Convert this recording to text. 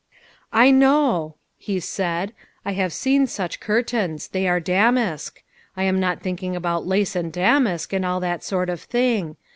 "I know," he said, " I have seen such curtains. They are damask. I am not thinking about lace, and damask, and all that sort of thing.